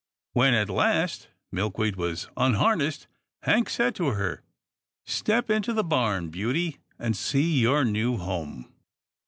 When at last Milkweed was unharnessed. Hank said to her, " Step into the barn, beauty, and see your new home."